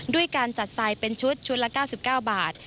ด้วยการจัดทรายเป็นชุดชุดละ๙๙บาท